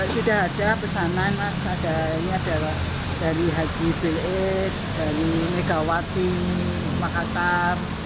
sudah ada pesanan mas ini adalah dari haji bil'id dari megawati makassar